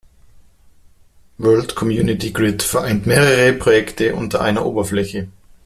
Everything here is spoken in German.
World Community Grid vereint mehrere Projekte unter einer Oberfläche.